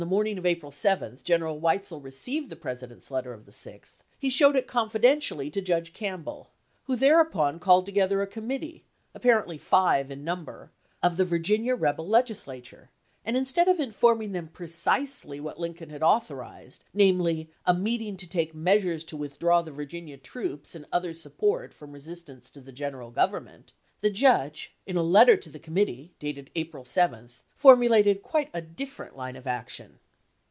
morning of April 7, General Weitzel received the President's letter of the 6th, he showed it confi dentially to Judge Campbell, who thereupon called together a committee, apparently five in number, of the Virginia rebel Legislature, and instead of in forming them precisely what Lincoln had author ized, namely, a meeting to "take measures to withdraw the Virginia troops and other support from resistance to the General Government," the judge in a letter to the committee (dated April 7) formulated quite a different line of action.